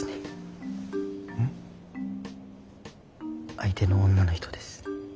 相手の女の人です。